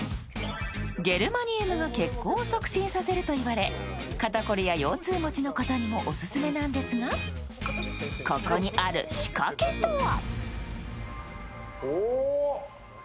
ゲルマニウムが血行を促進させるといわれ肩こりや腰痛もちの方にもオススメなんですがここにある仕掛けとは？